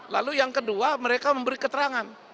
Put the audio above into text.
lalu yang kedua mereka memberi keterangan